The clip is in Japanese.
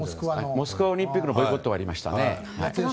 モスクワオリンピックのボイコットはありましたね。